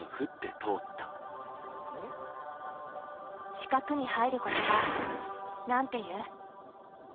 四角に入る言葉何て言う？